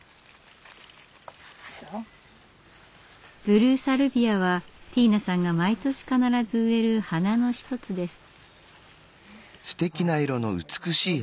ブルーサルビアはティーナさんが毎年必ず植える花の一つです。